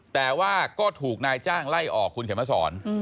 แต่ว่าก็ถูกนายจ้างไล่ออกคุณเขียนมาสอน